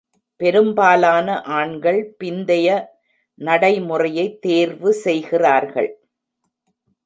பெரும்பாலான ஆண்கள் பிந்தைய நடைமுறையைத் தேர்வு செய்கிறார்கள்.